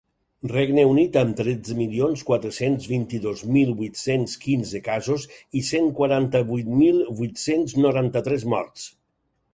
Regne Unit, amb tretze milions quatre-cents vint-i-dos mil vuit-cents quinze casos i cent quaranta-vuit mil vuit-cents noranta-tres morts.